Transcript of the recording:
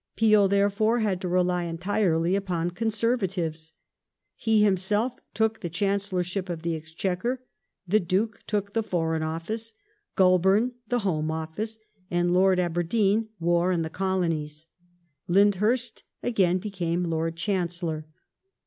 Peel, therefore, had to rely entirely upon Conservatives^ He him self took the Chancellorship of the Exchequer, the Duke took the Foreign Office, Goulburn the Home Office, and Lord Aberdeen War and the Colonies. Lyndhui st again became Lord Chancellor.